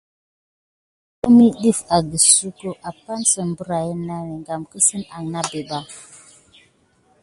Ho ni def akine sucko apane sine birayane nani game.